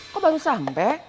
kok baru sampe